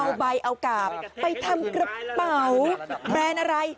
เอาใบเอากาบไปทำกระเป๋าแบรนด์อะไร